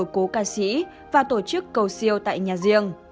của cô ca sĩ và tổ chức cầu siêu tại nhà riêng